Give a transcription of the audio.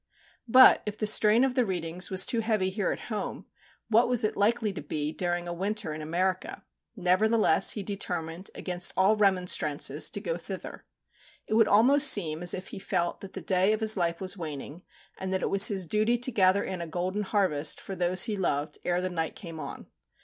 But if the strain of the readings was too heavy here at home, what was it likely to be during a winter in America? Nevertheless he determined, against all remonstrances, to go thither. It would almost seem as if he felt that the day of his life was waning, and that it was his duty to gather in a golden harvest for those he loved ere the night came on.